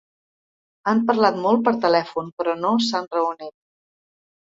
Han parlat molt per telèfon, però no s’han reunit.